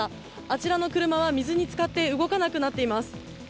あちらの車は水につかって動かなくなっています。